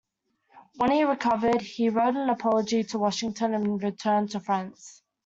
When he recovered, he wrote an apology to Washington and returned to France.